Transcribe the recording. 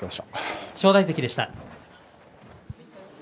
正代関でした。